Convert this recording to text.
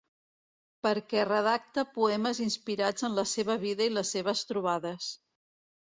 Perquè redacta poemes inspirats en la seva vida i les seves trobades.